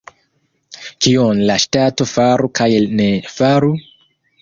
Kion la ŝtato faru kaj ne faru?